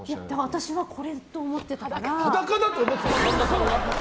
私は、これと思ってたから。